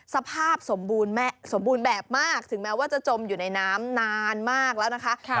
สภาพสมบูรณ์แบบมากถึงแม้ว่าจะจมอยู่ในน้ำนานมากแล้วนะคะ